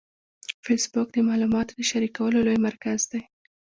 فېسبوک د معلوماتو د شریکولو لوی مرکز دی